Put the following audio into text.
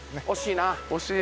惜しいな。